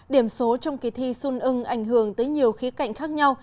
điểm số trong kỳ thi xuân ưng ảnh hưởng tới nhiều khí cảnh khác nhau